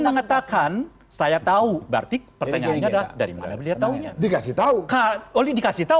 menyatakan saya tahu batik pertanyaannya dari mana beliau taunya dikasih tahu kak oli dikasih tahu